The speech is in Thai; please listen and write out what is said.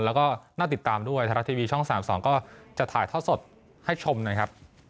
แล้วก็น่าติดตามด้วยธรัตน์ทีวีช่องสามสองก็จะถ่ายท่อสดให้ชมนะครับ